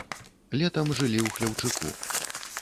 Летам жылі ў хляўчыку.